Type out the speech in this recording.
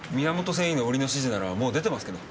繊維の売りの指示ならもう出てますけど。